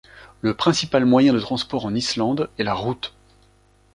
Le principal moyen de transport en Islande est la route.